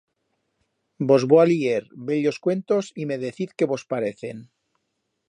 Vos vo a lier bellos cuentos y me deciz que vos parecen.